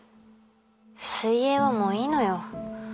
水泳はもういいのよ。